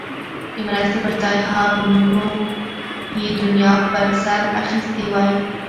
د مرستې پر ځای هارنونو یې دنیا په سر اخیستی وي.